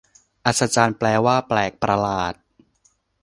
อัศจรรย์ แปลว่าแปลกประหลาด